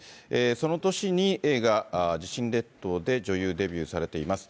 その年に映画、地震列島で女優デビューされています。